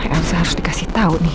elsa harus dikasih tau nih